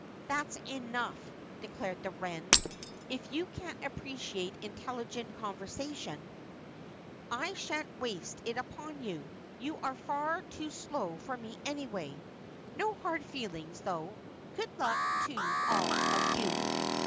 "That's enough," declared the wren. "If you can't appreciate intelligent conversation, I shan't waste it upon you. You are far too slow for me anyway. No hard feelings, though good luck to all of you."